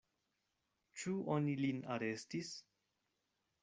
Ĉu oni lin arestis?